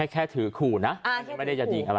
แค่ถือขู่นะ